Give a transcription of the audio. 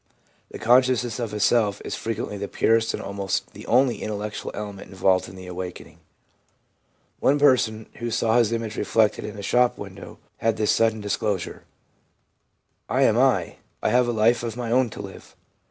The con sciousness of a self is frequently the purest and almost the only intellectual element involved in the awakening. One person, who saw his image reflected in a shop window, had this sudden disclosure :' I am I. I have a life of my own to live.'